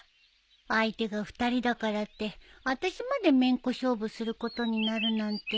相手が２人だからってあたしまでめんこ勝負することになるなんて。